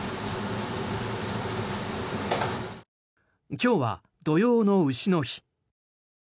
今日は土用の丑の日。